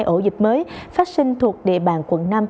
ổ dịch mới phát sinh thuộc địa bàn quận năm